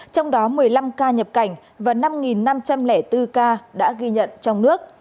trong đó một mươi năm ca nhập cảnh và năm năm trăm linh bốn ca đã ghi nhận trong nước